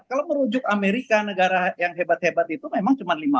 kalau merujuk amerika negara yang hebat hebat itu memang cuma lima